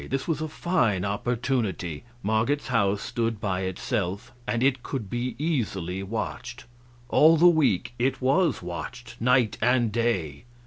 This was a fine opportunity. Marget's house stood by itself, and it could be easily watched. All the week it was watched night and day.